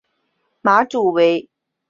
马主为王永强。